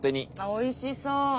おいしそう！